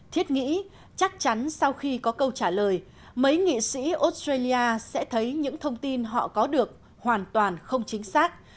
thiết nghĩ chắc chắn sau khi có câu trả lời mấy nghị sĩ australia sẽ thấy những thông tin họ có được hoàn toàn không chính xác